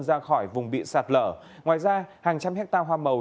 ra khỏi vùng bị sạt lở ngoài ra hàng trăm hectare hoa màu